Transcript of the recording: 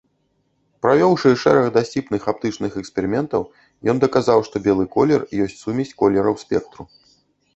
Правёўшы шэраг дасціпных аптычных эксперыментаў, ён даказаў, што белы колер ёсць сумесь колераў спектру.